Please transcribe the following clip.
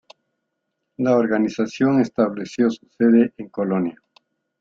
La organización estableció su sede en Colonia.